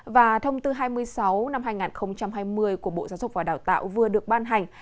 và thông tư hai mươi sáu năm hai nghìn hai mươi của bộ giáo dục và đào tạo vừa được ban hành